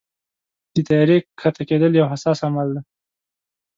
د طیارې کښته کېدل یو حساس عمل دی.